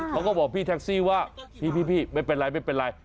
เขาก็บอกพี่แท็กซี่ว่าพี่ไม่เป็นไร